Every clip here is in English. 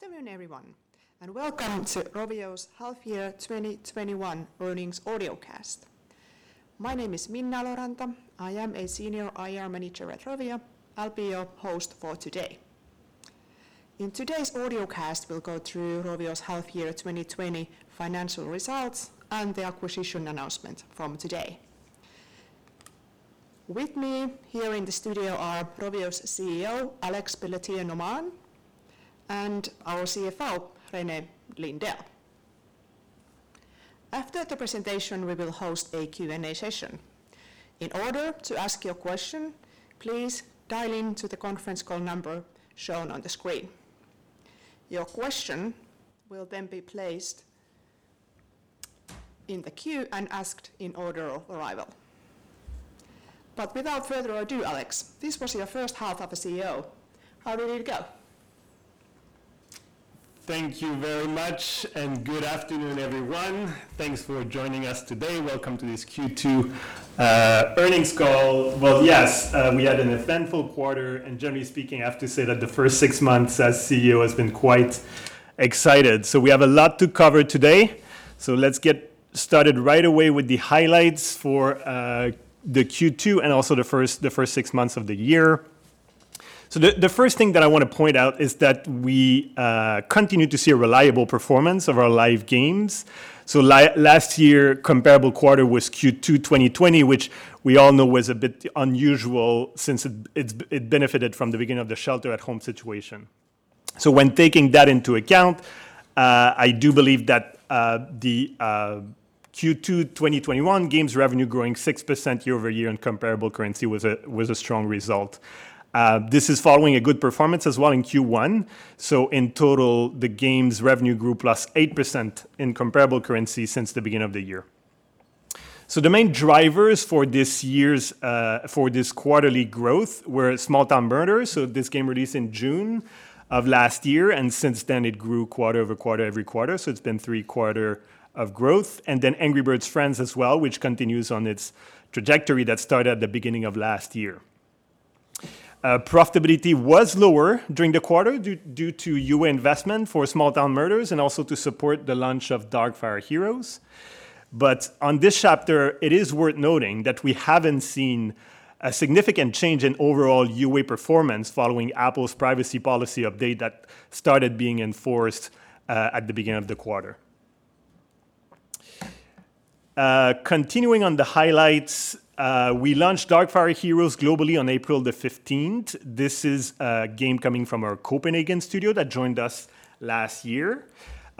Good afternoon, everyone, and welcome to Rovio's half year 2021 earnings audiocast. My name is Minna Eloranta. I am a senior IR manager at Rovio. I'll be your host for today. In today's audiocast, we'll go through Rovio's half year 2020 financial results and the acquisition announcement from today. With me here in the studio are Rovio's CEO, Alexandre Pelletier-Normand, and our CFO, René Lindell. After the presentation, we will host a Q&A session. In order to ask your question, please dial in to the conference call number shown on the screen. Your question will then be placed in the queue and asked in order of arrival. Without further ado, Alex, this was your first half as a CEO. How did it go? Thank you very much. Good afternoon, everyone. Thanks for joining us today. Welcome to this Q2 earnings call. Well, yes, we had an eventful quarter. Generally speaking, I have to say that the first six months as CEO has been quite exciting. We have a lot to cover today. Let's get started right away with the highlights for the Q2 and also the first six months of the year. The first thing that I want to point out is that we continue to see a reliable performance of our live games. Last year, comparable quarter was Q2 2020, which we all know was a bit unusual since it benefited from the beginning of the shelter at home situation. When taking that into account, I do believe that the Q2 2021 games revenue growing 6% year-over-year in comparable currency was a strong result. This is following a good performance as well in Q1. In total, the games revenue grew +8% in comparable currency since the beginning of the year. The main drivers for this quarterly growth were Small Town Murders. This game released in June of last year, and since then, it grew quarter-over-quarter every quarter, so it's been three quarters of growth. Angry Birds Friends as well, which continues on its trajectory that started at the beginning of last year. Profitability was lower during the quarter due to UA investment for Small Town Murders and also to support the launch of Darkfire Heroes On this chapter, it is worth noting that we haven't seen a significant change in overall UA performance following Apple's privacy policy update that started being enforced at the beginning of the quarter. Continuing on the highlights, we launched Darkfire Heroes globally on April the 15th. This is a game coming from our Copenhagen studio that joined us last year.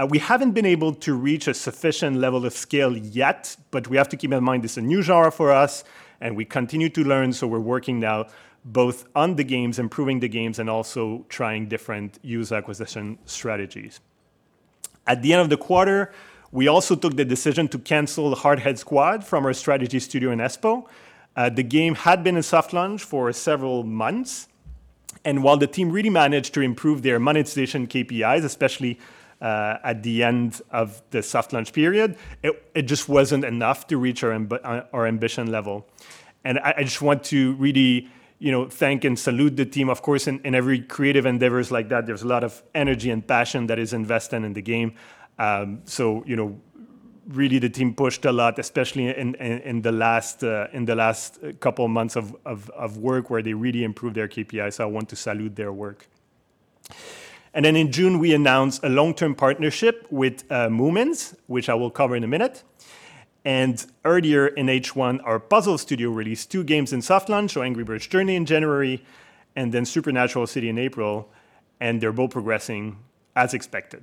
We haven't been able to reach a sufficient level of scale yet, but we have to keep in mind it's a new genre for us, and we continue to learn, so we're working now both on the games, improving the games, and also trying different user acquisition strategies. At the end of the quarter, we also took the decision to cancel the Hardhead Squad from our strategy studio in Espoo. The game had been in soft launch for several months, and while the team really managed to improve their monetization KPIs, especially at the end of the soft launch period, it just wasn't enough to reach our ambition level. I just want to really thank and salute the team. Of course, in every creative endeavors like that, there's a lot of energy and passion that is invested in the game. Really the team pushed a lot, especially in the last couple of months of work where they really improved their KPIs. I want to salute their work. In June, we announced a long-term partnership with Moomins, which I will cover in a minute. Earlier in H1, our puzzle studio released 2 games in soft launch, so Angry Birds Journey in January and then Supernatural City in April, and they're both progressing as expected.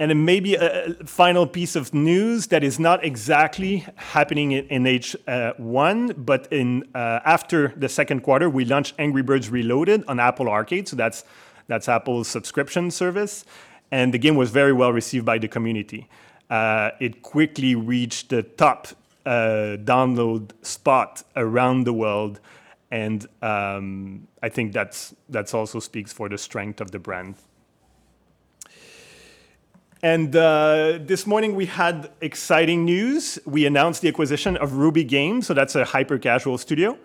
Maybe a final piece of news that is not exactly happening in H1, but after the second quarter, we launched Angry Birds Reloaded on Apple Arcade, that's Apple's subscription service, the game was very well received by the community. It quickly reached the top download spot around the world, I think that also speaks for the strength of the brand. This morning, we had exciting news. We announced the acquisition of Ruby Games, that's a hyper-casual studio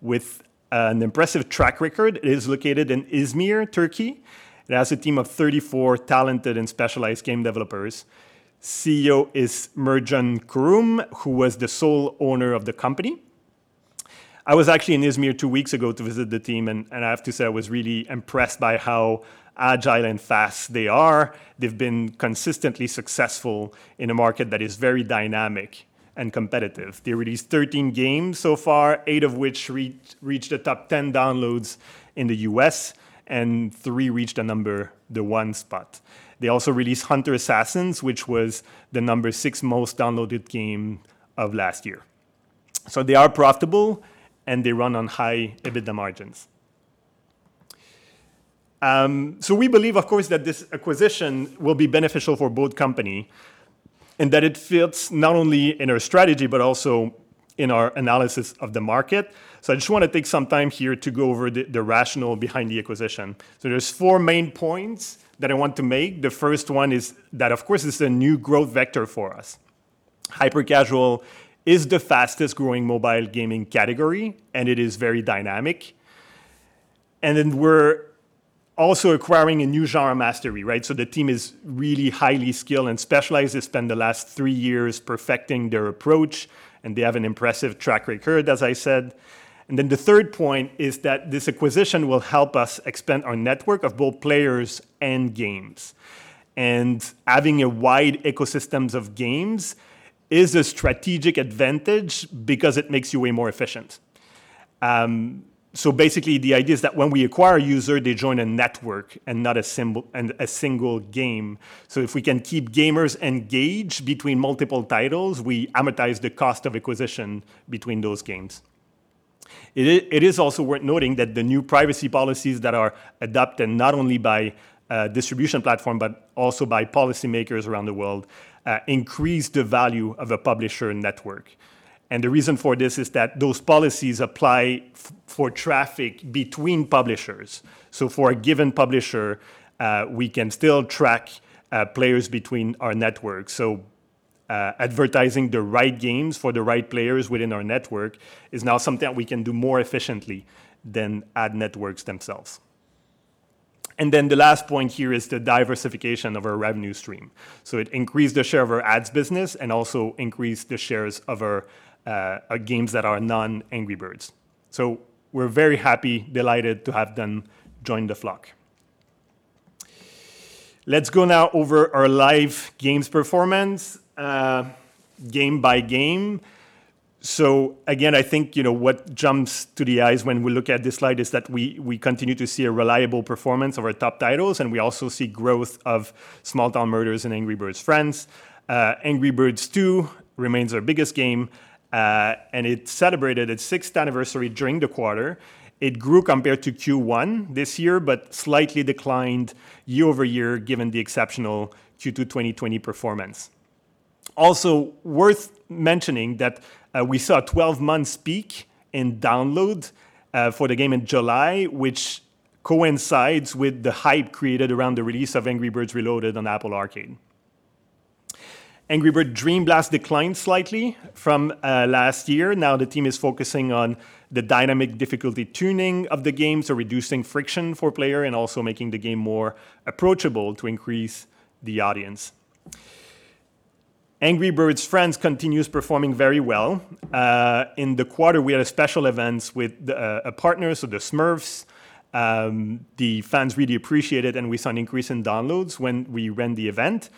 with an impressive track record. It is located in Izmir, Turkey. It has a team of 34 talented and specialized game developers. CEO is Mert Can Kurum, who was the sole owner of the company. I was actually in Izmir two weeks ago to visit the team, I have to say I was really impressed by how agile and fast they are. They've been consistently successful in a market that is very dynamic and competitive. They released 13 games so far, eight of which reached the top 10 downloads in the U.S., and three reached the number one spot. They also released Hunter Assassin, which was the number six most downloaded game of last year. They are profitable, and they run on high EBITDA margins. We believe, of course, that this acquisition will be beneficial for both company and that it fits not only in our strategy, but also in our analysis of the market. I just want to take some time here to go over the rationale behind the acquisition. There's four main points that I want to make. The first one is that, of course, this is a new growth vector for us. Hyper-casual is the fastest-growing mobile gaming category, and it is very dynamic. We're also acquiring a new genre mastery, right? The team is really highly skilled and specialized. They spent the last three years perfecting their approach, and they have an impressive track record, as I said. The third point is that this acquisition will help us expand our network of both players and games. Having a wide ecosystems of games is a strategic advantage because it makes you way more efficient. Basically, the idea is that when we acquire a user, they join a network not a single game. If we can keep gamers engaged between multiple titles, we amortize the cost of acquisition between those games. It is also worth noting that the new privacy policies that are adopted, not only by distribution platform, but also by policymakers around the world, increase the value of a publisher network. The reason for this is that those policies apply for traffic between publishers. For a given publisher, we can still track players between our networks. Advertising the right games for the right players within our network is now something that we can do more efficiently than ad networks themselves. The last point here is the diversification of our revenue stream. It increased the share of our ads business and also increased the shares of our games that are non-Angry Birds. We're very happy, delighted to have them join the flock. Let's go now over our live games performance, game by game. Again, I think what jumps to the eyes when we look at this slide is that we continue to see a reliable performance of our top titles, and we also see growth of "Small Town Murders" and "Angry Birds Friends." "Angry Birds 2" remains our biggest game, and it celebrated its sixth anniversary during the quarter. It grew compared to Q1 this year, but slightly declined year-over-year given the exceptional Q2 2020 performance. Also worth mentioning that we saw a 12 months peak in download for the game in July, which coincides with the hype created around the release of "Angry Birds Reloaded" on Apple Arcade. "Angry Birds Dream Blast" declined slightly from last year. Now the team is focusing on the dynamic difficulty tuning of the game, so reducing friction for player and also making the game more approachable to increase the audience. Angry Birds Friends" continues performing very well. In the quarter, we had a special events with a partner, so The Smurfs. The fans really appreciate it, and we saw an increase in downloads when we ran the event.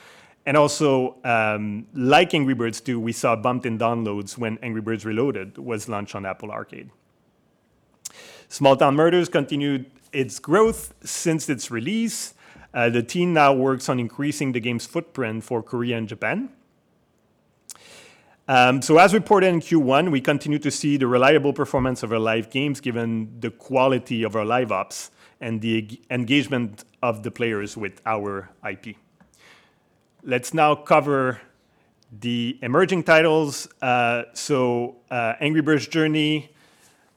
Also, like "Angry Birds 2," we saw a bump in downloads when "Angry Birds Reloaded" was launched on Apple Arcade. "Small Town Murders" continued its growth since its release. The team now works on increasing the game's footprint for Korea and Japan. As reported in Q1, we continue to see the reliable performance of our live games given the quality of our live ops and the engagement of the players with our IP. Let's now cover the emerging titles. "Angry Birds Journey,"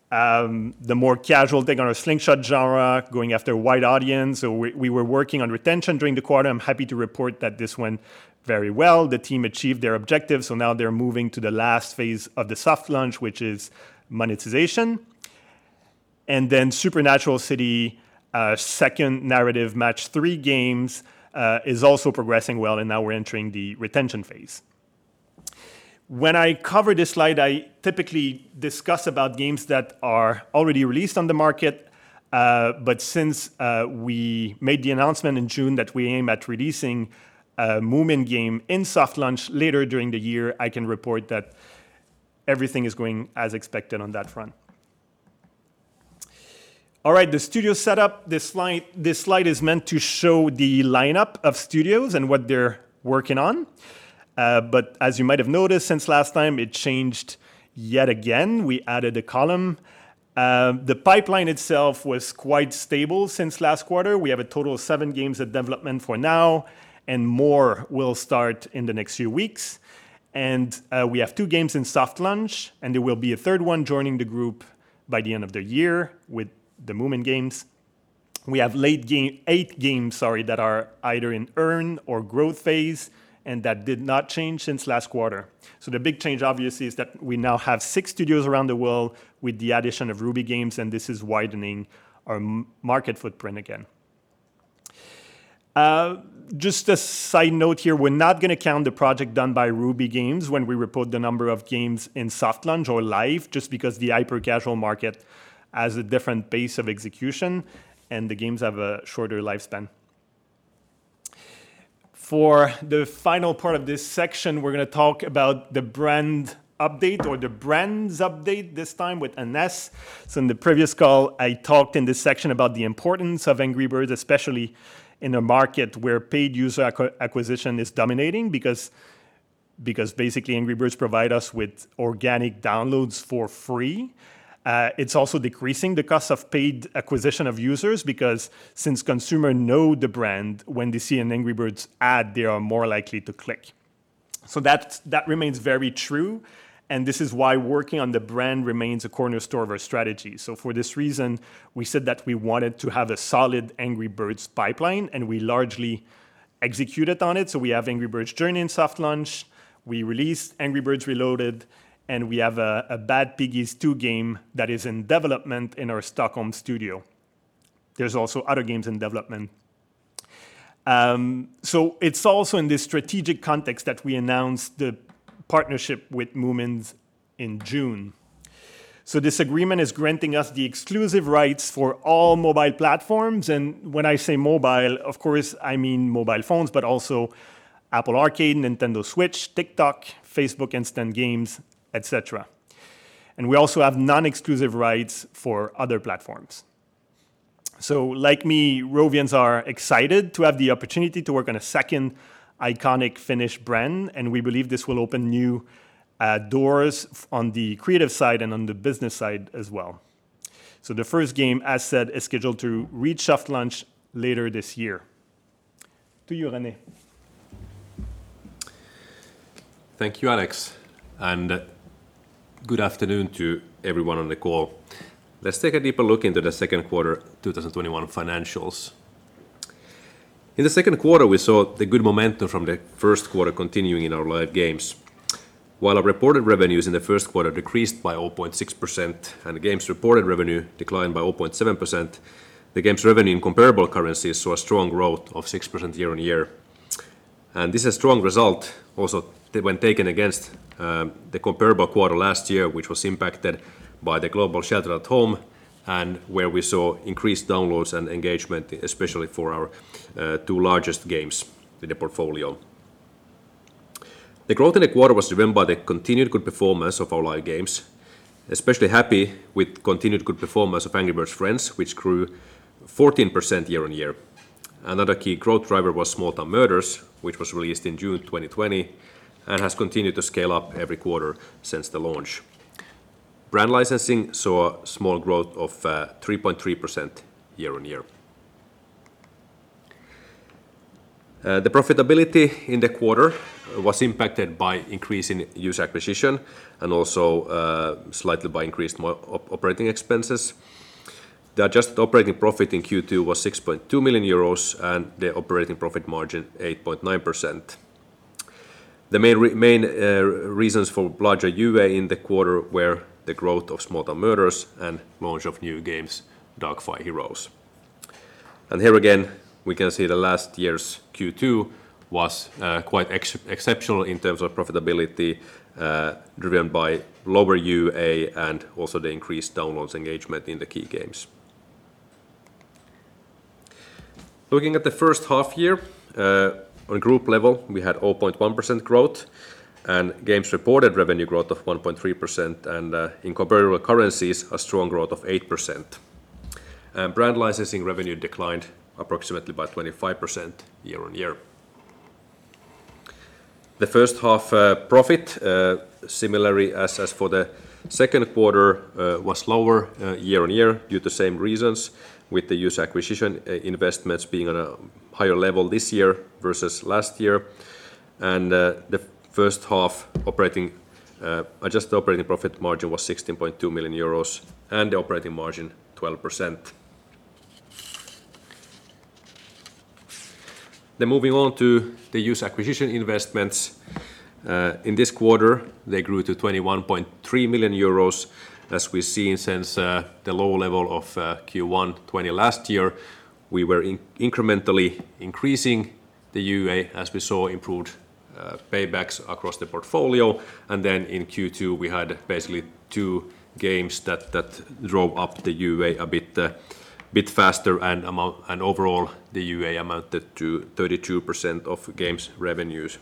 the more casual take on our slingshot genre, going after a wide audience. We were working on retention during the quarter. I'm happy to report that this went very well. The team achieved their objectives. Now they're moving to the last phase of the soft launch, which is monetization. Then Supernatural City, second narrative Match 3 games, is also progressing well. Now we're entering the retention phase. When I cover this slide, I typically discuss about games that are already released on the market. Since we made the announcement in June that we aim at releasing a Moomin game in soft launch later during the year, I can report that everything is going as expected on that front. All right, the studio setup. This slide is meant to show the lineup of studios and what they're working on. As you might have noticed since last time, it changed yet again. We added a column. The pipeline itself was quite stable since last quarter. We have a total of seven games at development for now. More will start in the next few weeks. We have two games in soft launch. There will be a 3rd one joining the group by the end of the year with the Moomin games. We have eight games, sorry, that are either in earn or growth phase. That did not change since last quarter. The big change, obviously, is that we now have 6 studios around the world with the addition of Ruby Games. This is widening our market footprint again. Just a side note here, we're not going to count the project done by Ruby Games when we report the number of games in soft launch or live, just because the hyper-casual market has a different pace of execution and the games have a shorter lifespan. For the final part of this section, we're going to talk about the brand update, or the brands update this time with an S. In the previous call, I talked in this section about the importance of Angry Birds, especially in a market where paid user acquisition is dominating because basically, Angry Birds provide us with organic downloads for free. It's also decreasing the cost of paid acquisition of users because since consumer know the brand, when they see an Angry Birds ad, they are more likely to click. That remains very true, and this is why working on the brand remains a cornerstone of our strategy. For this reason, we said that we wanted to have a solid Angry Birds pipeline, and we largely executed on it. We have Angry Birds Journey in soft launch. We released Angry Birds Reloaded, and we have a Bad Piggies 2 game that is in development in our Stockholm studio. There's also other games in development. It's also in this strategic context that we announced the partnership with Moomins in June. This agreement is granting us the exclusive rights for all mobile platforms. When I say mobile, of course, I mean mobile phones, but also Apple Arcade, Nintendo Switch, TikTok, Facebook Instant Games, et cetera. We also have non-exclusive rights for other platforms. Like me, Rovians are excited to have the opportunity to work on a second iconic Finnish brand, and we believe this will open new doors on the creative side and on the business side as well. The first game, as said, is scheduled to reach soft launch later this year. To you, René. Thank you, Alex, and good afternoon to everyone on the call. Let's take a deeper look into the second quarter 2021 financials. In the second quarter, we saw the good momentum from the first quarter continuing in our live games. While our reported revenues in the first quarter decreased by 0.6% and the Games reported revenue declined by 0.7%, the Games revenue in comparable currency saw a strong growth of 6% year-on-year. This is a strong result also when taken against the comparable quarter last year, which was impacted by the global shelter at home and where we saw increased downloads and engagement, especially for our two largest games in the portfolio. The growth in the quarter was driven by the continued good performance of our live games, especially happy with continued good performance of Angry Birds Friends, which grew 14% year-on-year. Another key growth driver was Small Town Murders, which was released in June 2020 and has continued to scale up every quarter since the launch. Brand licensing saw a small growth of 3.3% year-on-year. The profitability in the quarter was impacted by increase in user acquisition and also slightly by increased operating expenses. The adjusted operating profit in Q2 was 6.2 million euros and the operating profit margin 8.9%. The main reasons for larger UA in the quarter were the growth of Small Town Murders and launch of new games, Darkfire Heroes. Here again, we can see that last year's Q2 was quite exceptional in terms of profitability, driven by lower UA and also the increased downloads engagement in the key games. Looking at the first half-year, on a group level, we had 0.1% growth. Games reported revenue growth of 1.3%, and in comparable currencies, a strong growth of 8%. Brand licensing revenue declined approximately by 25% year-on-year. The first half profit, similarly as for the second quarter, was lower year-on-year due to same reasons with the user acquisition investments being on a higher level this year versus last year. The first half adjusted operating profit margin was 16.2 million euros and the operating margin 12%. Moving on to the user acquisition investments. In this quarter, they grew to 21.3 million euros. As we've seen since the low level of Q1 2020 last year, we were incrementally increasing the UA as we saw improved paybacks across the portfolio. In Q2, we had basically two games that drove up the UA a bit faster, and overall, the UA amounted to 32% of games revenues.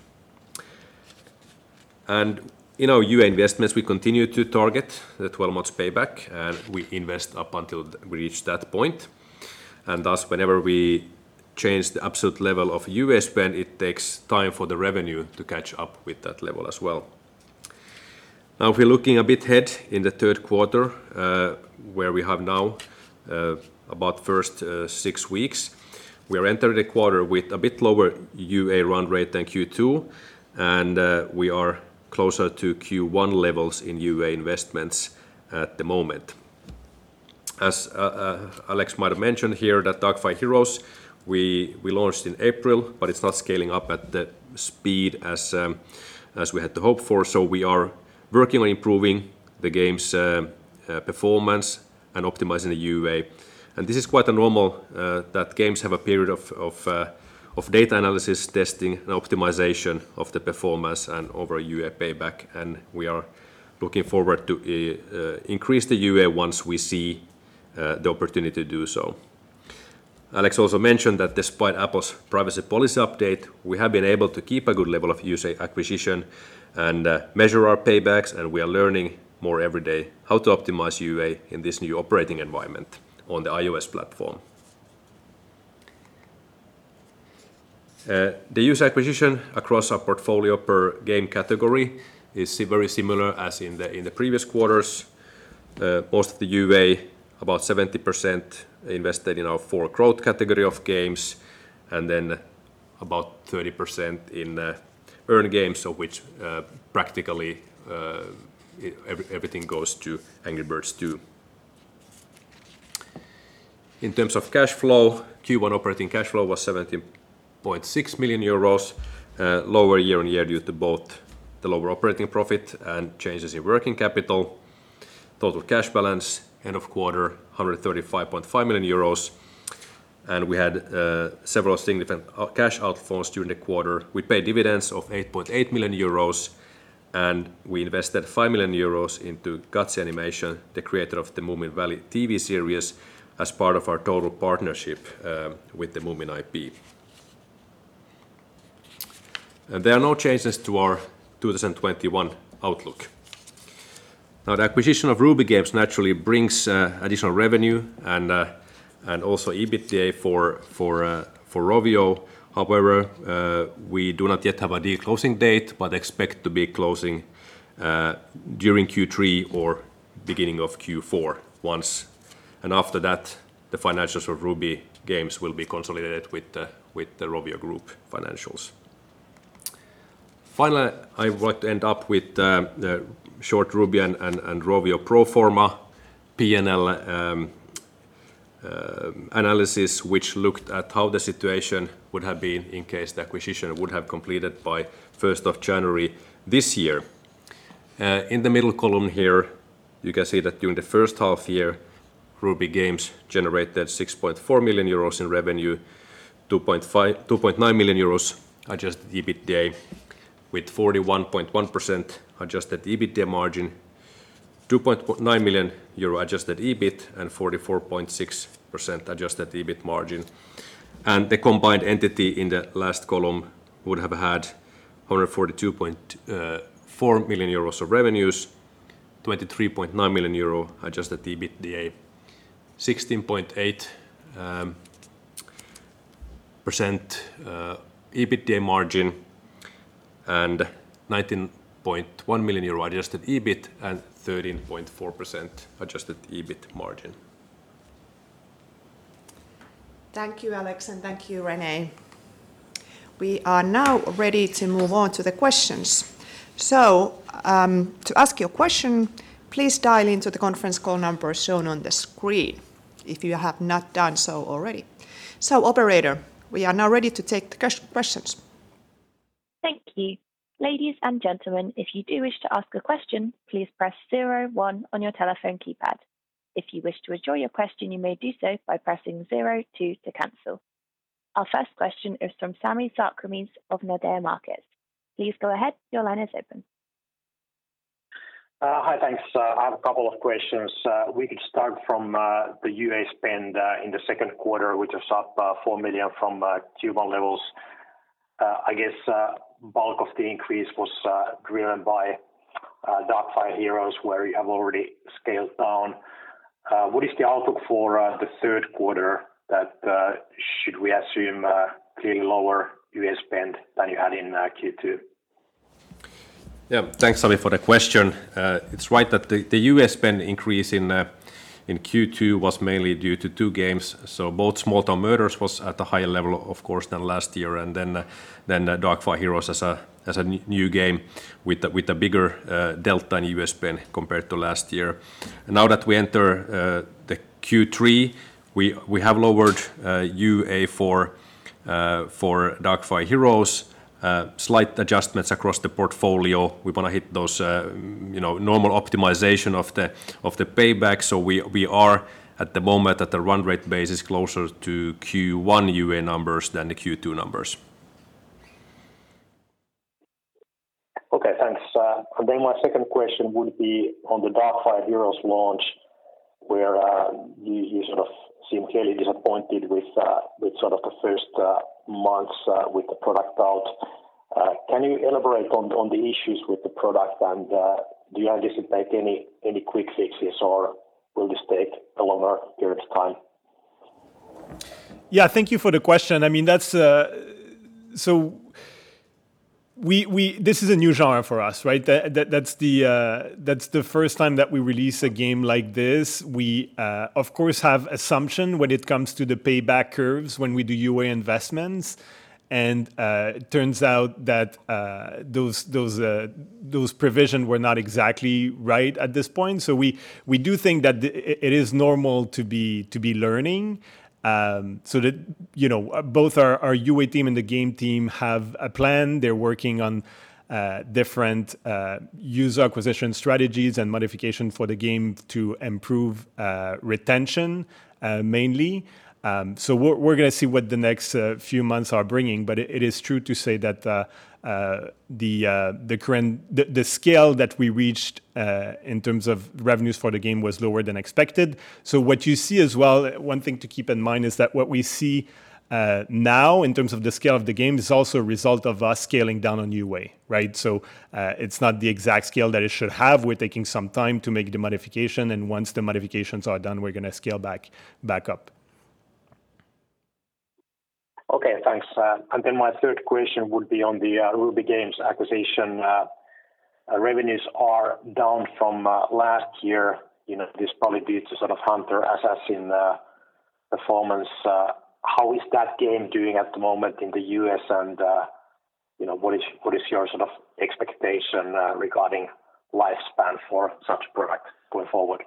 In our UA investments, we continue to target the 12 months payback, and we invest up until we reach that point. Thus, whenever we change the absolute level of UA spend, it takes time for the revenue to catch up with that level as well. If we're looking a bit ahead in the third quarter, where we have now about first six weeks, we are entering the quarter with a bit lower UA run rate than Q2, and we are closer to Q1 levels in UA investments at the moment. As Alex might have mentioned here, that Darkfire Heroes, we launched in April, but it's not scaling up at the speed as we had to hope for, so we are working on improving the game's performance and optimizing the UA. This is quite normal that games have a period of data analysis, testing, and optimization of the performance and over UA payback. We are looking forward to increase the UA once we see the opportunity to do so. Alex also mentioned that despite Apple's privacy policy update, we have been able to keep a good level of user acquisition and measure our paybacks. We are learning more every day how to optimize UA in this new operating environment on the iOS platform. The user acquisition across our portfolio per game category is very similar as in the previous quarters. Most of the UA, about 70%, invested in our four growth category of games, then about 30% in earn games, of which practically everything goes to Angry Birds 2. In terms of cash flow, Q1 operating cash flow was 70.6 million euros, lower year-over-year due to both the lower operating profit and changes in working capital. Total cash balance end of quarter, 135.5 million euros. We had several significant cash outflows during the quarter. We paid dividends of 8.8 million euros, and we invested 5 million euros into Gutsy Animations, the creator of the Moominvalley TV series, as part of our total partnership with the Moomin IP. There are no changes to our 2021 outlook. Now, the acquisition of Ruby Games naturally brings additional revenue and also EBITDA for Rovio. However, we do not yet have a deal closing date, but expect to be closing during Q3 or beginning of Q4 once. After that, the financials of Ruby Games will be consolidated with the Rovio Group financials. Finally, I would like to end up with the short Ruby and Rovio pro forma P&L analysis, which looked at how the situation would have been in case the acquisition would have completed by 1st of January this year. In the middle column here, you can see that during the first half year, Ruby Games generated 6.4 million euros in revenue, 2.9 million euros adjusted EBITDA, with 41.1% adjusted EBITDA margin, 2.9 million euro adjusted EBIT and 44.6% adjusted EBIT margin. The combined entity in the last column would have had 142.4 million euros of revenues, 23.9 million euro adjusted EBITDA, 16.8% EBITDA margin, 19.1 million euro adjusted EBIT, and 13.4% adjusted EBIT margin. Thank you, Alex, and thank you, René. We are now ready to move on to the questions. To ask your question, please dial into the conference call number shown on the screen if you have not done so already. Operator, we are now ready to take the questions. Thank you. Our first question is from Sami Sarkamies of Nordea Markets. Please go ahead. Your line is open. Hi, thanks. I have a couple of questions. We could start from the UA spend in the second quarter, which is up 4 million from Q1 levels. I guess bulk of the increase was driven by Darkfire Heroes, where you have already scaled down. What is the outlook for the third quarter that should we assume clearly lower UA spend than you had in Q2? Yeah. Thanks, Sami, for the question. It's right that the UA spend increase in Q2 was mainly due to two games. Both Small Town Murders was at a higher level, of course, than last year, and then Darkfire Heroes as a new game with a bigger delta in UA spend compared to last year. Now that we enter the Q3, we have lowered UA for Darkfire Heroes, slight adjustments across the portfolio. We want to hit those normal optimization of the payback. We are at the moment at a run rate basis closer to Q1 UA numbers than the Q2 numbers. Okay, thanks. My second question would be on the Darkfire Heroes launch, where you sort of seem clearly disappointed with sort of the first months with the product out. Can you elaborate on the issues with the product, and do you anticipate any quick fixes, or will this take a longer period of time? Yeah. Thank you for the question. This is a new genre for us, right? That's the first time that we release a game like this. We, of course, have assumption when it comes to the payback curves when we do UA investments. Turns out that those provision were not exactly right at this point. We do think that it is normal to be learning. Both our UA team and the game team have a plan. They're working on different user acquisition strategies and modification for the game to improve retention, mainly. We're going to see what the next few months are bringing. It is true to say that the scale that we reached in terms of revenues for the game was lower than expected. What you see as well, one thing to keep in mind is that what we see now in terms of the scale of the game is also a result of us scaling down on UA, right? It's not the exact scale that it should have. We're taking some time to make the modification, and once the modifications are done, we're going to scale back up. Okay, thanks. My third question would be on the Ruby Games acquisition. Revenues are down from last year. This is probably due to sort of Hunter Assassin performance. How is that game doing at the moment in the U.S. and what is your expectation regarding lifespan for such a product going forward?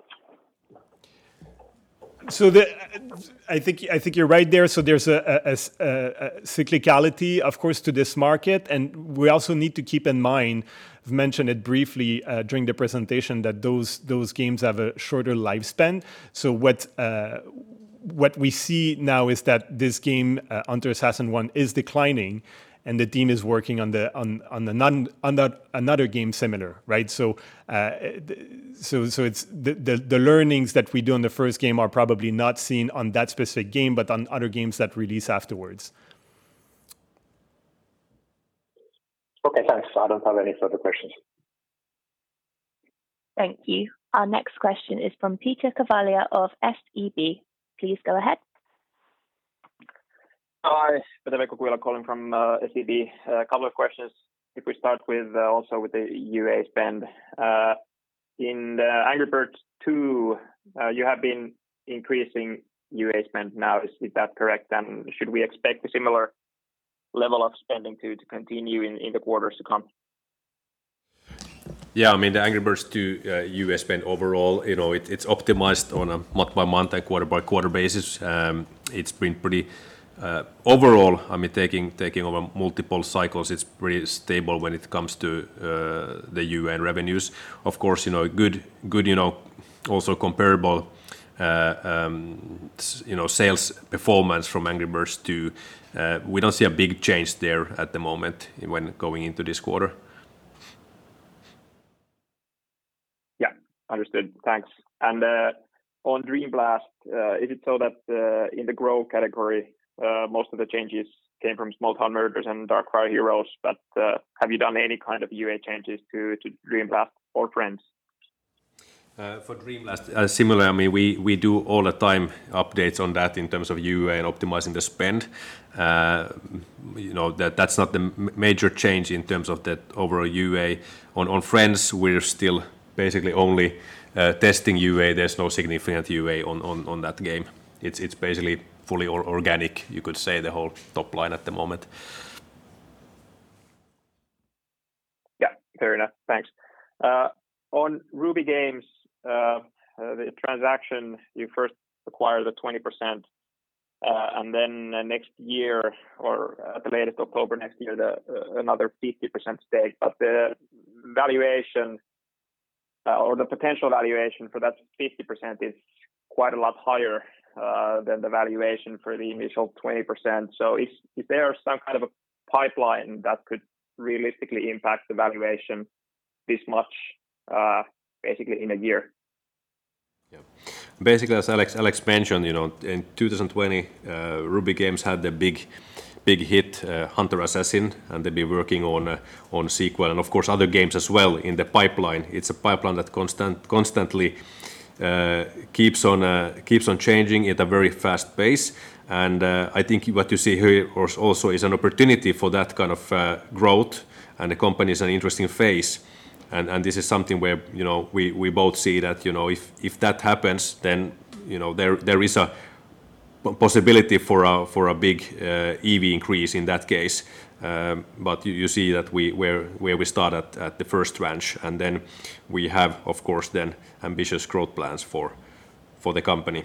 I think you're right there. There's a cyclicality of course, to this market, and we also need to keep in mind, I've mentioned it briefly during the presentation, that those games have a shorter lifespan. What we see now is that this game, Hunter Assassin I, is declining, and the team is working on another game similar. Right? The learnings that we do on the first game are probably not seen on that specific game, but on other games that release afterwards. Okay, thanks. I don't have any further questions. Thank you. Our next question is from Pete-Veikko Kujala of SEB. Please go ahead. Hi, Pete-Veikko Kujala calling from SEB. A couple of questions. If we start with also with the UA spend. In the Angry Birds 2, you have been increasing UA spend now. Is that correct? Should we expect a similar level of spending to continue in the quarters to come? Yeah. I mean, the Angry Birds 2 UA spend overall, it's optimized on a month-by-month and quarter-by-quarter basis. Overall, taking over multiple cycles, it's pretty stable when it comes to the UA revenues. Of course, good also comparable sales performance from Angry Birds 2. We don't see a big change there at the moment when going into this quarter. Yeah. Understood. Thanks. On Dream Blast, is it so that in the Grow category, most of the changes came from Small Town Murders and Darkfire Heroes, but have you done any kind of UA changes to Dream Blast or Friends? For Dream Blast, similarly, we do all the time updates on that in terms of UA and optimizing the spend. That's not the major change in terms of the overall UA. On Friends, we're still basically only testing UA. There's no significant UA on that game. It's basically fully organic, you could say, the whole top line at the moment. Yeah. Fair enough. Thanks. On Ruby Games, the transaction, you first acquire the 20% and then next year, or at the latest October next year, another 50% stake. The valuation or the potential valuation for that 50% is quite a lot higher than the valuation for the initial 20%. Is there some kind of a pipeline that could realistically impact the valuation this much basically in a year? Basically, as Alex mentioned, in 2020, Ruby Games had the big hit, Hunter Assassin, and they've been working on sequel and, of course, other games as well in the pipeline. It's a pipeline that constantly keeps on changing at a very fast pace, and I think what you see here also is an opportunity for that kind of growth, and the company's in an interesting phase. This is something where we both see that if that happens, then there is a possibility for a big EV increase in that case. You see where we start at the first tranche, and then we have, of course then, ambitious growth plans for the company.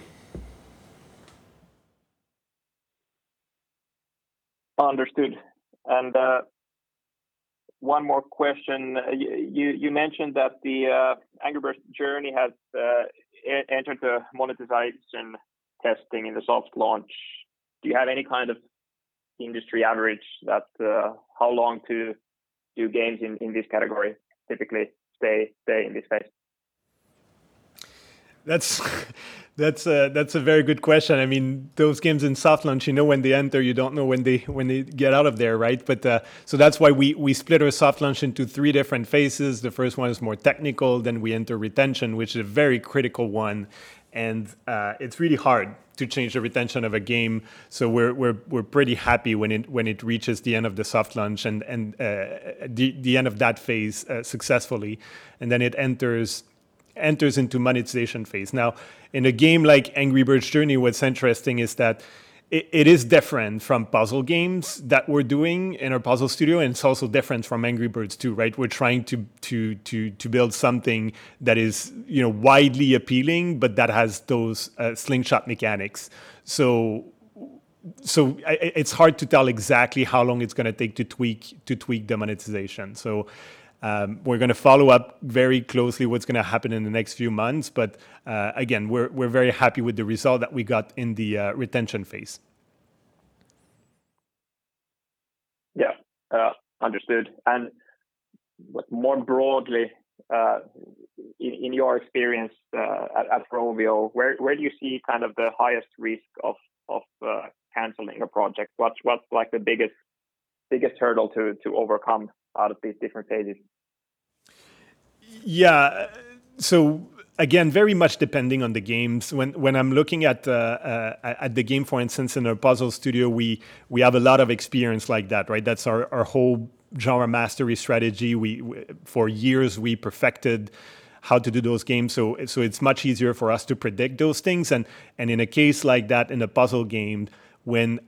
Understood. One more question. You mentioned that the Angry Birds Journey has entered the monetization testing in the soft launch. Do you have any kind of industry average that how long do games in this category typically stay in this phase? That's a very good question. Those games in soft launch, you know when they enter, you don't know when they get out of there, right? That's why we split our soft launch into three different phases. The first one is more technical, then we enter retention, which is a very critical one, and it's really hard to change the retention of a game. We're pretty happy when it reaches the end of the soft launch and the end of that phase successfully, and then it enters into monetization phase. In a game like Angry Birds Journey, what's interesting is that it is different from puzzle games that we're doing in our puzzle studio, and it's also different from Angry Birds 2, right? We're trying to build something that is widely appealing, but that has those slingshot mechanics. It's hard to tell exactly how long it's going to take to tweak the monetization. We're going to follow up very closely what's going to happen in the next few months, but again, we're very happy with the result that we got in the retention phase. Yeah. Understood. More broadly, in your experience at Rovio, where do you see kind of the highest risk of canceling a project? What's the biggest hurdle to overcome out of these different stages? Yeah. Again, very much depending on the games. When I'm looking at the game, for instance, in our puzzle studio, we have a lot of experience like that. That's our whole genre mastery strategy. For years, we perfected how to do those games, so it's much easier for us to predict those things. In a case like that, in a puzzle game, when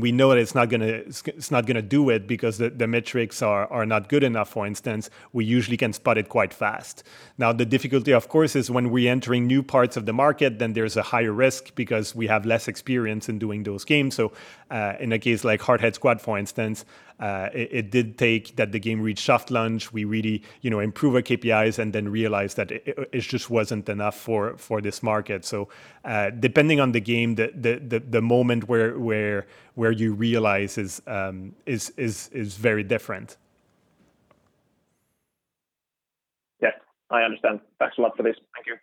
we know that it's not going to do it because the metrics are not good enough, for instance, we usually can spot it quite fast. Now, the difficulty, of course, is when we enter new parts of the market, then there's a higher risk because we have less experience in doing those games. In a case like Hardhead Squad, for instance, it did take that the game reached soft launch. We really improved our KPIs and then realized that it just wasn't enough for this market. Depending on the game, the moment where you realize is very different. Yes. I understand. Thanks a lot for this. Thank you.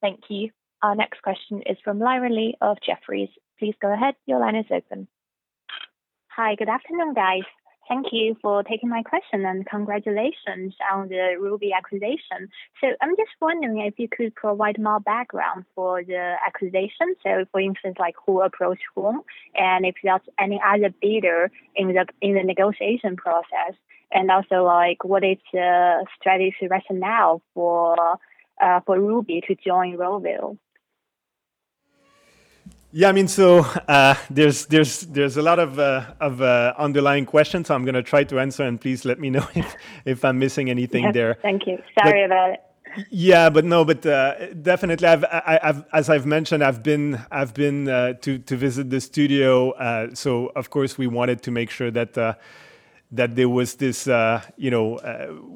Thank you. Our next question is from Lyra Li of Jefferies. Please go ahead. Your line is open. Hi. Good afternoon, guys. Thank you for taking my question, and congratulations on the Ruby acquisition. I'm just wondering if you could provide more background for the acquisition. For instance, who approached whom, and if there's any other bidder in the negotiation process, and also what is the strategy rationale for Ruby to join Rovio. Yeah. There's a lot of underlying questions, so I'm going to try to answer, and please let me know if I'm missing anything there. Yes. Thank you. Sorry about it. Definitely, as I've mentioned, I've been to visit the studio. Of course, we wanted to make sure that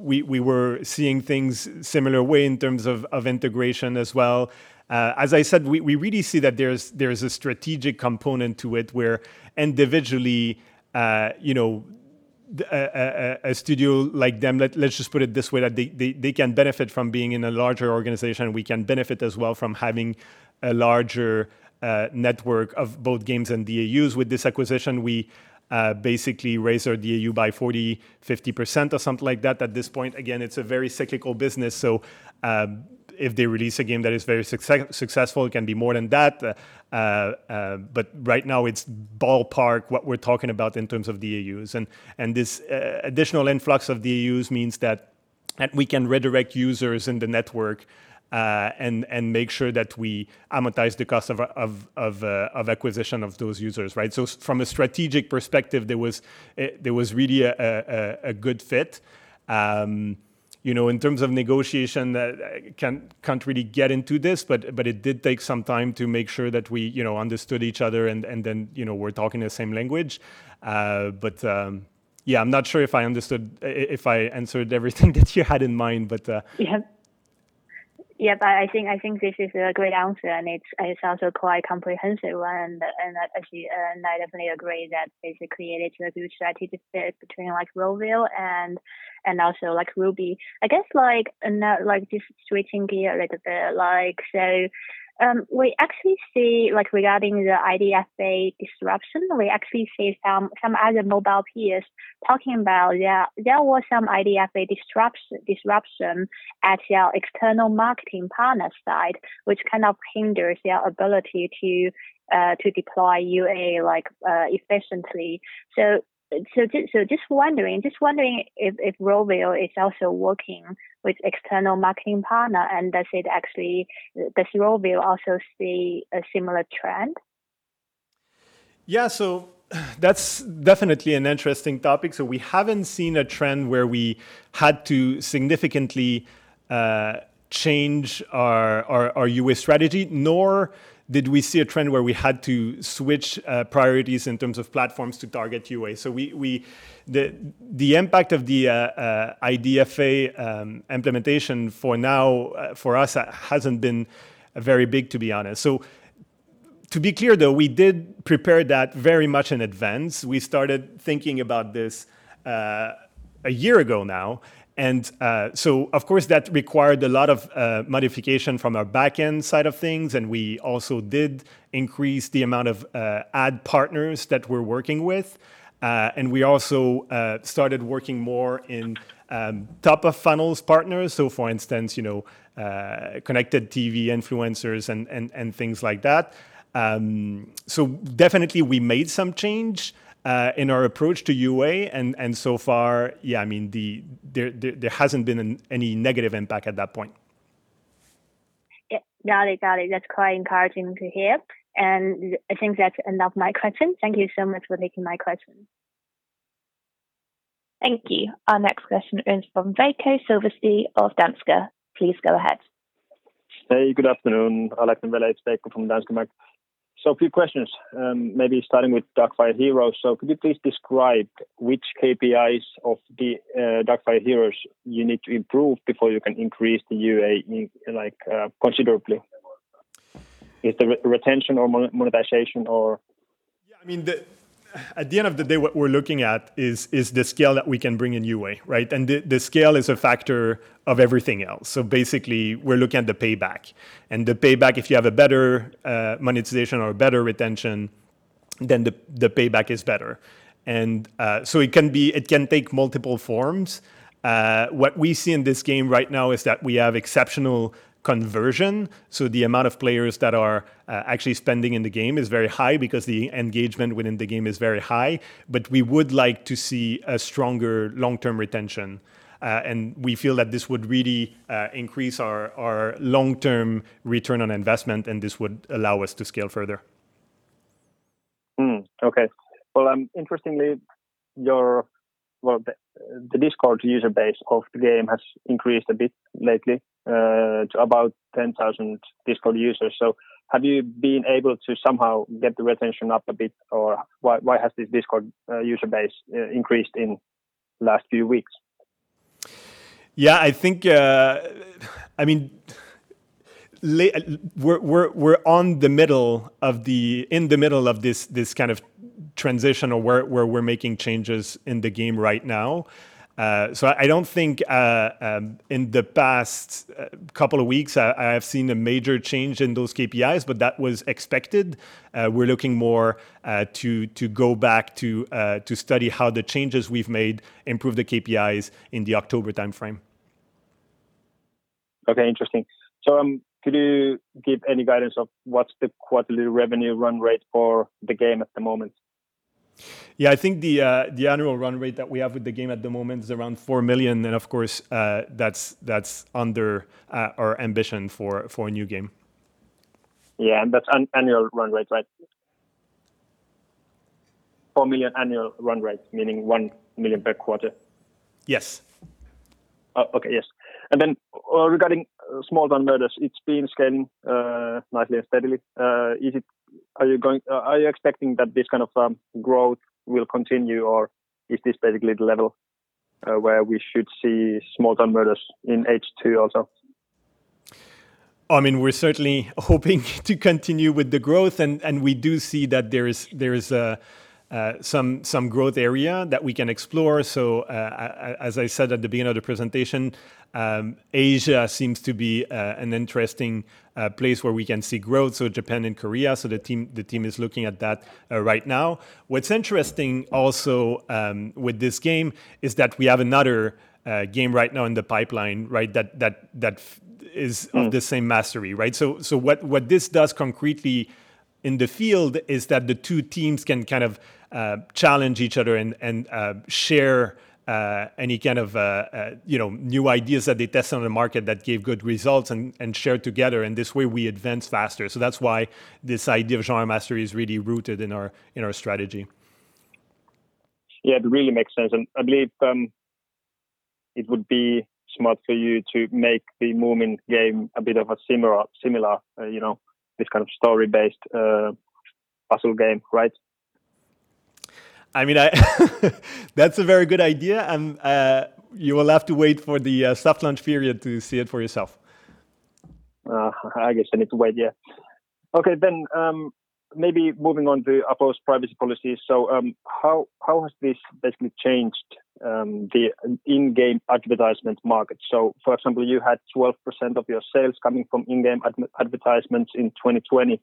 we were seeing things similar way in terms of integration as well. As I said, we really see that there's a strategic component to it where individually, a studio like them, let's just put it this way, that they can benefit from being in a larger organization. We can benefit as well from having a larger network of both games and DAUs. With this acquisition, we basically raise our DAU by 40%-50% or something like that at this point. Again, it's a very cyclical business, if they release a game that is very successful, it can be more than that. Right now, it's ballpark what we're talking about in terms of DAUs. This additional influx of DAUs means that we can redirect users in the network, and make sure that we amortize the cost of acquisition of those users. From a strategic perspective, there was really a good fit. In terms of negotiation, can't really get into this, but it did take some time to make sure that we understood each other and then we're talking the same language. Yeah, I'm not sure if I answered everything that you had in mind. I think this is a great answer, and it's also quite comprehensive, and I definitely agree that there's a creative strategic fit between Rovio and also Ruby. I guess, just switching gear a little bit, we actually see regarding the IDFA disruption, we actually see some other mobile peers talking about there was some IDFA disruption at your external marketing partner side, which kind of hinders their ability to deploy UA efficiently. Just wondering if Rovio is also working with external marketing partner, and does Rovio also see a similar trend? Yeah. That's definitely an interesting topic. We haven't seen a trend where we had to significantly change our UA strategy, nor did we see a trend where we had to switch priorities in terms of platforms to target UA. The impact of the IDFA implementation for now, for us, hasn't been very big, to be honest. To be clear, though, we did prepare that very much in advance. We started thinking about this a year ago now, and so of course, that required a lot of modification from our backend side of things, and we also did increase the amount of ad partners that we're working with. We also started working more in top-of-funnels partners. For instance, connected TV influencers and things like that. Definitely we made some change in our approach to UA, and so far, yeah, there hasn't been any negative impact at that point. Yeah. Got it. That's quite encouraging to hear. I think that's enough my question. Thank you so much for taking my question. Thank you. Our next question is from Veikkopekka Silvasti of Danske. Please go ahead. Hey, good afternoon. Veikko-Pekka Silvasti from Danske. A few questions, maybe starting with Darkfire Heroes. Could you please describe which KPIs of the Darkfire Heroes you need to improve before you can increase the UA considerably? Is the retention or monetization or? Yeah. At the end of the day, what we're looking at is the scale that we can bring in UA. The scale is a factor of everything else. Basically, we're looking at the payback. The payback, if you have a better monetization or a better retention, then the payback is better. It can take multiple forms. What we see in this game right now is that we have exceptional conversion. The amount of players that are actually spending in the game is very high because the engagement within the game is very high. We would like to see a stronger long-term retention. We feel that this would really increase our long-term ROI, and this would allow us to scale further. Interestingly, the Discord user base of the game has increased a bit lately to about 10,000 Discord users. Have you been able to somehow get the retention up a bit, or why has this Discord user base increased in last few weeks? Yeah. We're in the middle of this kind of transition of where we're making changes in the game right now. I don't think in the past couple of weeks, I have seen a major change in those KPIs, but that was expected. We're looking more to go back to study how the changes we've made improve the KPIs in the October timeframe. Okay. Interesting. Could you give any guidance of what's the quarterly revenue run rate for the game at the moment? Yeah. I think the annual run rate that we have with the game at the moment is around 4 million, and of course, that's under our ambition for a new game. Yeah. That's annual run rate, right? 4 million annual run rate, meaning 1 million per quarter. Yes. Oh, okay. Yes. Regarding Small Town Murders, it's been scaling nicely and steadily. Are you expecting that this kind of growth will continue, or is this basically the level where we should see Small Town Murders in H2 also? We're certainly hoping to continue with the growth, and we do see that there is some growth area that we can explore. As I said at the beginning of the presentation, Asia seems to be an interesting place where we can see growth, Japan and Korea. The team is looking at that right now. What's interesting also with this game is that we have another game right now in the pipeline that is of the same mastery. What this does concretely in the field is that the two teams can kind of challenge each other and share any kind of new ideas that they test on the market that gave good results and share together, and this way we advance faster. That's why this idea of genre mastery is really rooted in our strategy. Yeah, it really makes sense. I believe it would be smart for you to make the Moomin game a bit of a similar, this kind of story-based puzzle game, right? That's a very good idea, and you will have to wait for the soft launch period to see it for yourself. I guess I need to wait, yeah. Maybe moving on to Apple's privacy policy. How has this basically changed the in-game advertisement market? For example, you had 12% of your sales coming from in-game advertisements in 2020.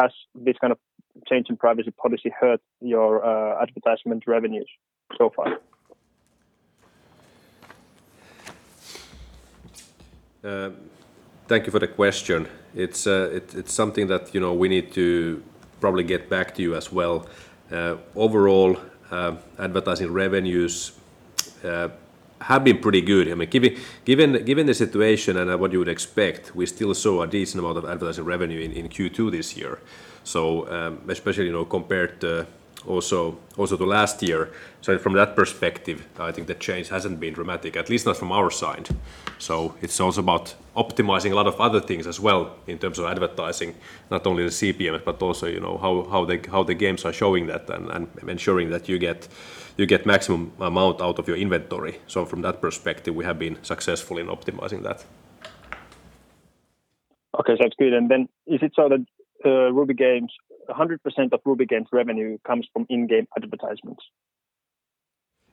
Has this kind of change in privacy policy hurt your advertisement revenues so far? Thank you for the question. It's something that we need to probably get back to you as well. Overall, advertising revenues have been pretty good. Given the situation and what you would expect, we still saw a decent amount of advertising revenue in Q2 this year, especially compared also to last year. From that perspective, I think the change hasn't been dramatic, at least not from our side. It's also about optimizing a lot of other things as well in terms of advertising, not only the CPM, but also how the games are showing that and ensuring that you get maximum amount out of your inventory. From that perspective, we have been successful in optimizing that. Okay. Sounds good. Is it so that 100% of Ruby Games revenue comes from in-game advertisements?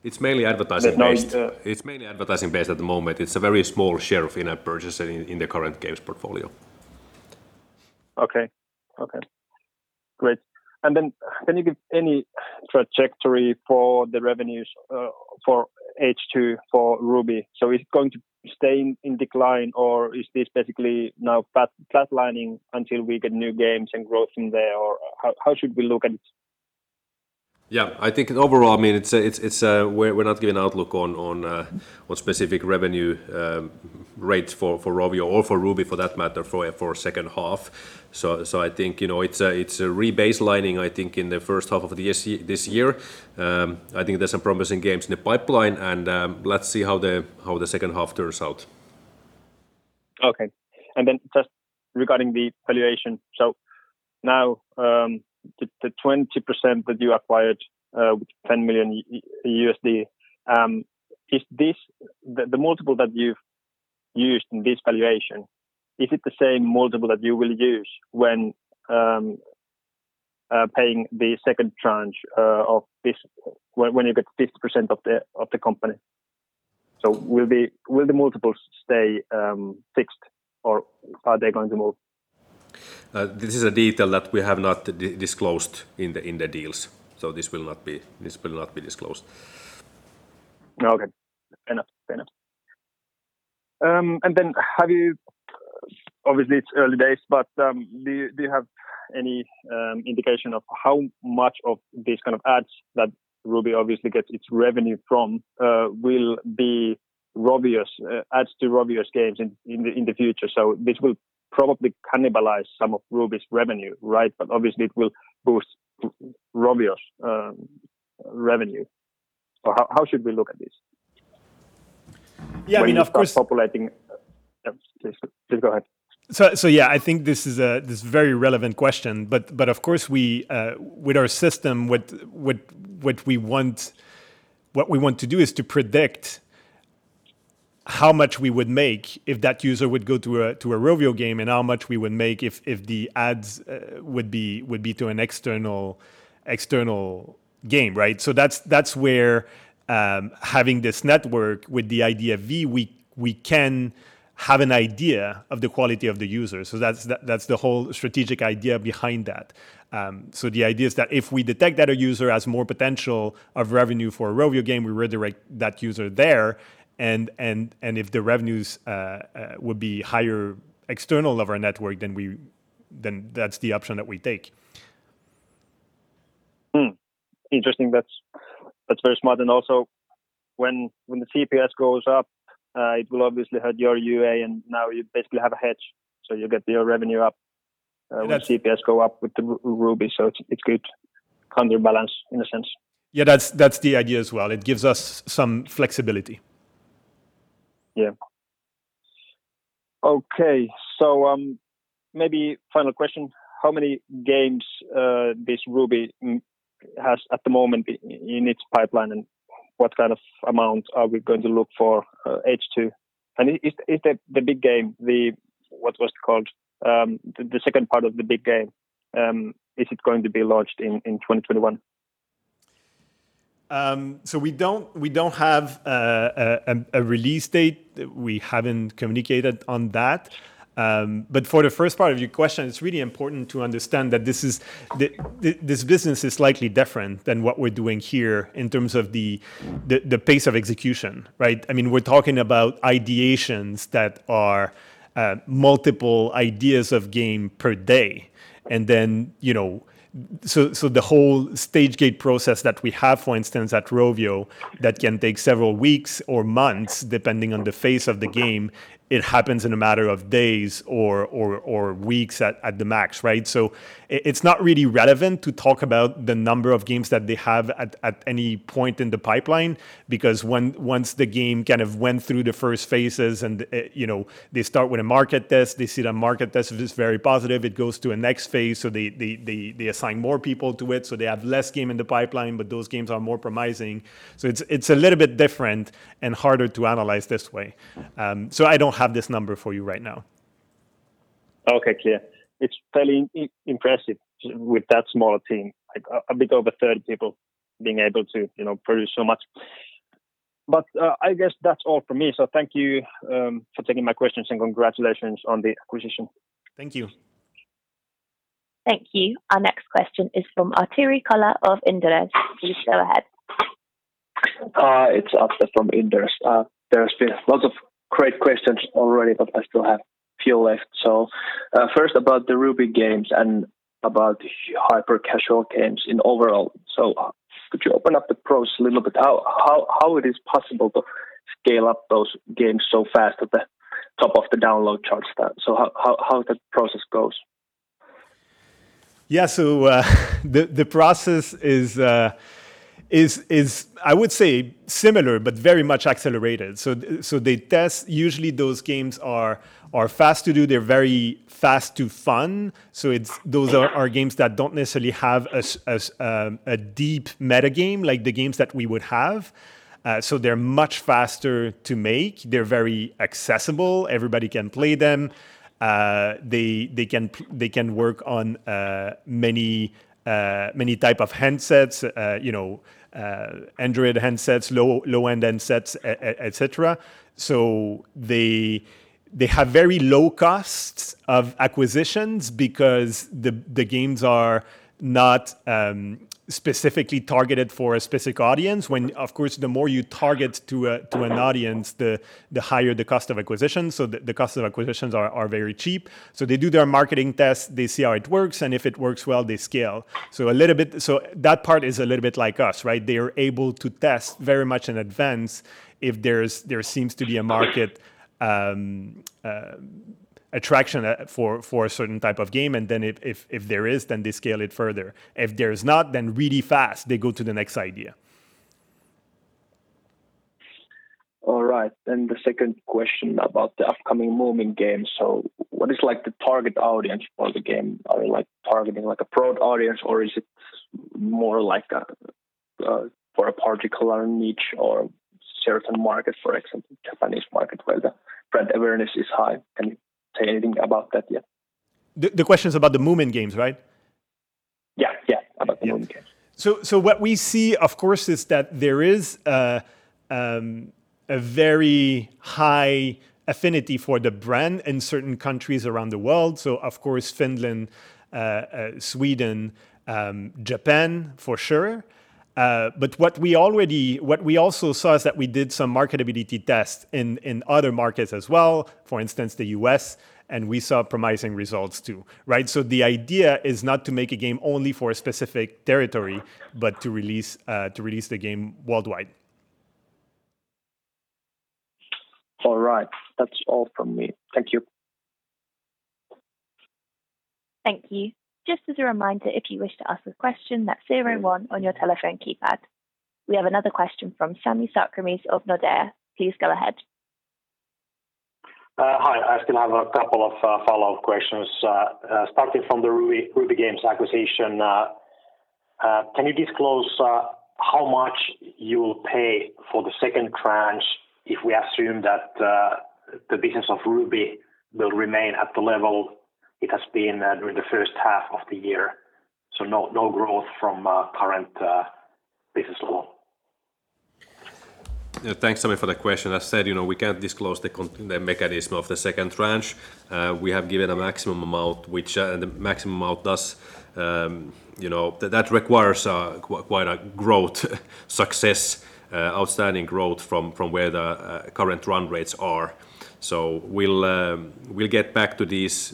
It's mainly advertising-based. But no- It's mainly advertising-based at the moment. It's a very small share of in-app purchasing in the current games portfolio. Okay. Great. Can you give any trajectory for the revenues for H2 for Ruby? Is it going to stay in decline, or is this basically now flatlining until we get new games and growth in there? How should we look at it? Yeah, I think overall, we're not giving outlook on specific revenue rates for Rovio or for Ruby for that matter for second half. I think it's re-baselining in the first half of this year. I think there's some promising games in the pipeline, and let's see how the second half turns out. Okay. Just regarding the valuation. Now, the 20% that you acquired with $10 million, the multiple that you've used in this valuation, is it the same multiple that you will use when paying the second tranche of this, when you get 50% of the company? Will the multiples stay fixed or are they going to move? This is a detail that we have not disclosed in the deals. This will not be disclosed. Okay. Fair enough. Obviously it's early days, do you have any indication of how much of these kind of ads that Ruby obviously gets its revenue from will be ads to Rovio's games in the future? This will probably cannibalize some of Ruby's revenue, right? Obviously it will boost Rovio's revenue. How should we look at this? Yeah, I mean, of course- When you start populating. Yeah. Please go ahead. Yeah, I think this is a very relevant question, but of course with our system, what we want to do is to predict how much we would make if that user would go to a Rovio game, and how much we would make if the ads would be to an external game. Right? That's where having this network with the IDFA, we can have an idea of the quality of the user. That's the whole strategic idea behind that. The idea is that if we detect that a user has more potential of revenue for a Rovio game, we redirect that user there, and if the revenues would be higher external of our network, then that's the option that we take. Interesting. That's very smart. Also when the CPM goes up, it will obviously hurt your UA, and now you basically have a hedge, you'll get your revenue up. Yes when CPM go up with Ruby. It's good counterbalance in a sense. Yeah, that's the idea as well. It gives us some flexibility. Yeah. Okay. Maybe final question. How many games Ruby Games has at the moment in its pipeline, and what kind of amount are we going to look for H2? Is the big game, what was it called, the second part of the big game, is it going to be launched in 2021? We don't have a release date. We haven't communicated on that. For the first part of your question, it's really important to understand that this business is slightly different than what we're doing here in terms of the pace of execution, right? We're talking about ideations that are multiple ideas of game per day. The whole stage gate process that we have, for instance, at Rovio, that can take several weeks or months depending on the phase of the game, it happens in a matter of days or weeks at the max, right? It's not really relevant to talk about the number of games that they have at any point in the pipeline, because once the game kind of went through the first phases and they start with a market test, they see the market test is very positive, it goes to a next phase. They assign more people to it, so they have less game in the pipeline, but those games are more promising. It's a little bit different and harder to analyze this way. I don't have this number for you right now. Okay, clear. It's fairly impressive with that small a team, a bit over 30 people being able to produce so much. I guess that's all from me. Thank you for taking my questions, and congratulations on the acquisition. Thank you. Thank you. Our next question is from Atte Riikola of Inderes. Please go ahead. It's Atte from Inderes. There's been lots of great questions already, but I still have few left. First about the Ruby Games and about hyper-casual games in overall. Could you open up the process a little bit? How it is possible to scale up those games so fast at the top of the download charts then? How that process goes? The process is, I would say similar, but very much accelerated. They test, usually those games are fast to do, they're very fast to fun. Those are games that don't necessarily have a deep meta game like the games that we would have. They're much faster to make. They're very accessible. Everybody can play them. They can work on many type of handsets, Android handsets, low-end handsets, et cetera. They have very low costs of acquisitions because the games are not specifically targeted for a specific audience, when of course, the more you target to an audience, the higher the cost of acquisition. The cost of acquisitions are very cheap. They do their marketing test, they see how it works, and if it works well, they scale. That part is a little bit like us, right? They are able to test very much in advance if there seems to be a market attraction for a certain type of game. If there is, then they scale it further. If there's not, then really fast, they go to the next idea. All right. The second question about the upcoming Moomin game. What is the target audience for the game? Are you targeting a broad audience or is it more for a particular niche or certain market, for example, Japanese market where the brand awareness is high? Can you say anything about that yet? The question's about the Moomin games, right? Yeah. About the Moomin characters. What we see, of course, is that there is a very high affinity for the brand in certain countries around the world. Of course, Finland, Sweden, Japan for sure. What we also saw is that we did some marketability tests in other markets as well, for instance, the U.S., and we saw promising results too. Right? The idea is not to make a game only for a specific territory, but to release the game worldwide. All right. That's all from me. Thank you. Thank you. Just as a reminder, if you wish to ask a question, that's 0 and 1 on your telephone keypad. We have another question from Sami Sarkamies of Nordea. Please go ahead. Hi. I still have a couple of follow-up questions. Starting from the Ruby Games acquisition. Can you disclose how much you will pay for the second tranche if we assume that the business of Ruby will remain at the level it has been during the first half of the year? No growth from current business at all. Thanks, Sami, for the question. As said, we can't disclose the mechanism of the second tranche. We have given a maximum amount. The maximum amount thus requires quite a growth success, outstanding growth from where the current run rates are. We'll get back to these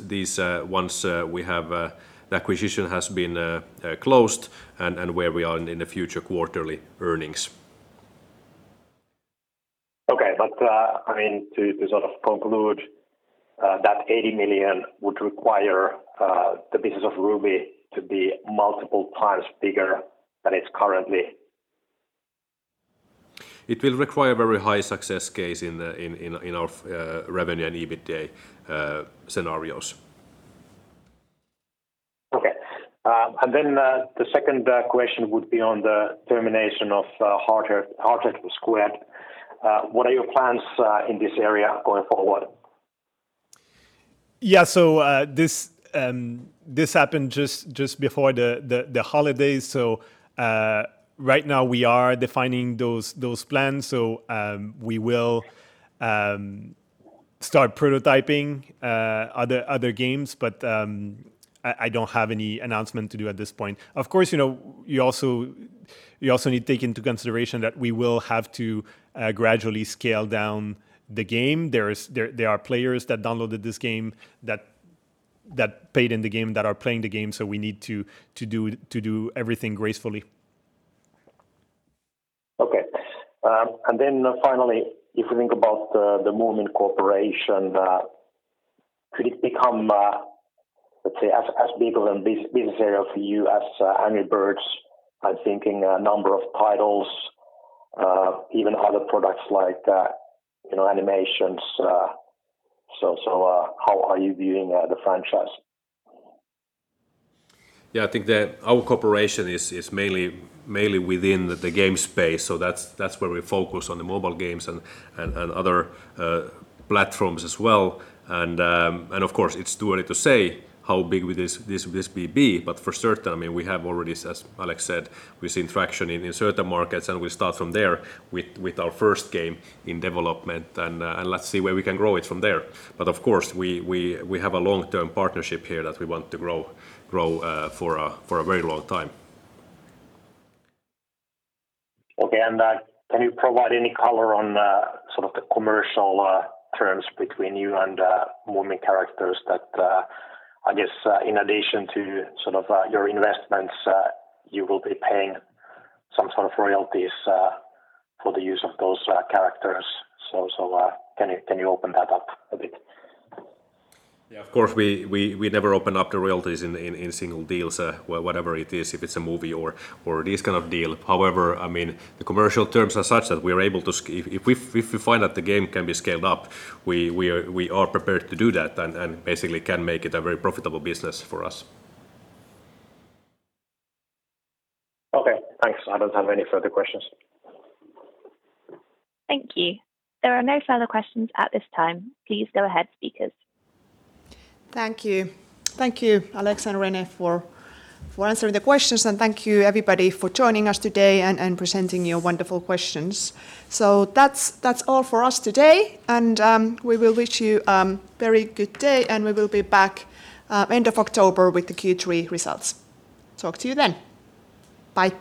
once the acquisition has been closed and where we are in the future quarterly earnings. Okay. To sort of conclude, that 80 million would require the business of Ruby to be multiple times bigger than it's currently. It will require very high success case in our revenue and EBITA scenarios. Okay. The second question would be on the termination of Hardhead Squad. What are your plans in this area going forward? Yeah. This happened just before the holidays. Right now we are defining those plans. We will start prototyping other games, but I don't have any announcement to do at this point. Of course, you also need to take into consideration that we will have to gradually scale down the game. There are players that downloaded this game, that paid in the game, that are playing the game. We need to do everything gracefully. Okay. Finally, if you think about the Moomin Corporation, could it become, let's say, as big a business area for you as Angry Birds? I'm thinking number of titles, even other products like animations. How are you viewing the franchise? I think that our cooperation is mainly within the game space, that's where we focus on the mobile games and other platforms as well. Of course, it's too early to say how big this will be. For certain, we have already, as Alex said, we've seen traction in certain markets. We'll start from there with our first game in development. Let's see where we can grow it from there. Of course, we have a long-term partnership here that we want to grow for a very long time. Can you provide any color on sort of the commercial terms between you and Moomin Characters that, I guess, in addition to your investments, you will be paying some sort of royalties for the use of those characters? Can you open that up a bit? Yeah, of course, we never open up the royalties in single deals, whatever it is, if it's a movie or this kind of deal. However, the commercial terms are such that if we find that the game can be scaled up, we are prepared to do that and basically can make it a very profitable business for us. Okay, thanks. I don't have any further questions. Thank you. There are no further questions at this time. Please go ahead, speakers. Thank you. Thank you, Alex and René, for answering the questions, and thank you, everybody, for joining us today and presenting your wonderful questions. That's all for us today, and we will wish you a very good day, and we will be back end of October with the Q3 results. Talk to you then. Bye.